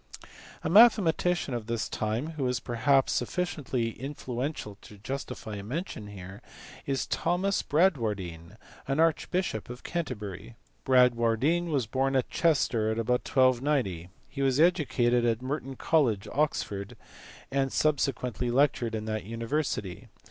A mathematician of this time, who was perhaps sufficiently influential to justify a mention here, is Thomas Bradivardine, archbishop of Canterbury. Bradwardine was born at Chichester about 1290. He was educated at Merton College, Oxford, and subsequently lectured in that university.